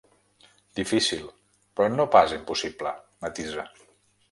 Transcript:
Difícil, però no pas impossible, matisa.